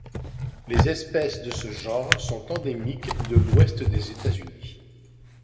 Les espèces de ce genre sont endémiques de l'ouest des États-Unis.